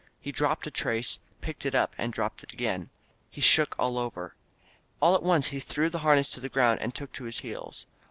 He dropped a trace, picked it up, and dropped it again. He shook all over. All at once he threw the harness to the ground and took to his heels.